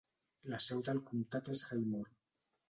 La seu del comtat és Highmore.